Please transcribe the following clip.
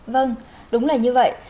vâng đúng là như vậy